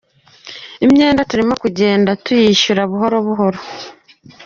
Imyenda turimo kugenda tuyishyura buhoro buhoro.